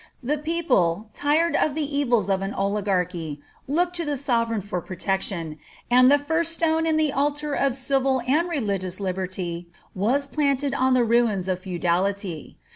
The people, tired of the evils of an oligarchy, looked to the sovereign for protec tion, and the first stone in the altar of civil and religious liberty was planted on the ruins of feudality.